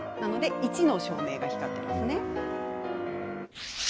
１の照明が光っていますね。